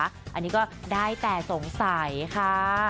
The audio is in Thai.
อันนี้ก็ได้แต่สงสัยค่ะ